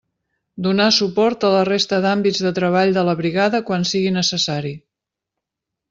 Donar suport a la resta d'àmbits de treball de la brigada quan sigui necessari.